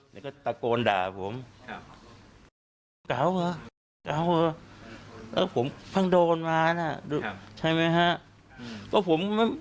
แล้วตะโกนด่าของผม